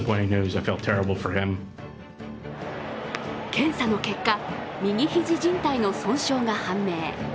検査の結果、右肘のじん帯の損傷が判明。